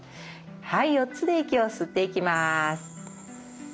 はい４つで息を吸っていきます。